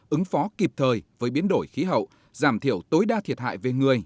ứng phó kịp thời với biến đổi khí hậu giảm thiểu tối đa thiệt hại về người